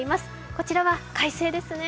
こちらは快晴ですね。